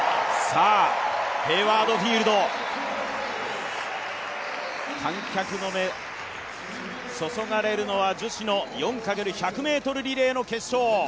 ヘイワード・フィールド、観客の目が注がれるのは女子の４×４００ｍリレーの決勝。